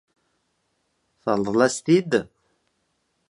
Teṛḍel-as-t-id?